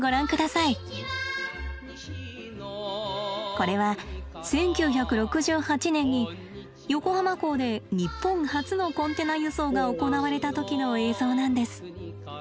これは１９６８年に横浜港で日本初のコンテナ輸送が行われた時の映像なんです。